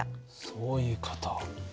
そういう事。